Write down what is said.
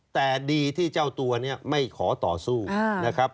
แต่ดีที่เจ้าตัวเนี่ยไม่ขอต่อสู้นะครับ